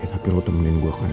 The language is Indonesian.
eh tapi lo temenin gue kan